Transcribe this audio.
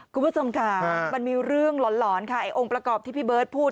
คุณผู้ชมค่ะมันมีเรื่องหลอนค่ะไอ้องค์ประกอบที่พี่เบิร์ตพูด